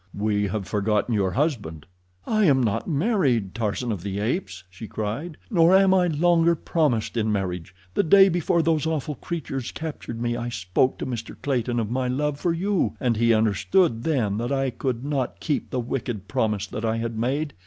"We have forgotten your husband." "I am not married, Tarzan of the Apes," she cried. "Nor am I longer promised in marriage. The day before those awful creatures captured me I spoke to Mr. Clayton of my love for you, and he understood then that I could not keep the wicked promise that I had made.